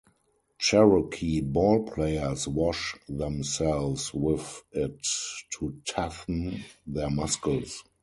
Cherokee ball-players wash themselves with it to toughen their muscles.